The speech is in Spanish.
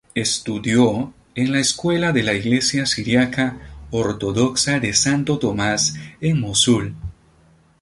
Estudió en la Escuela de la Iglesia siríaca ortodoxa de Santo Tomás en Mosul.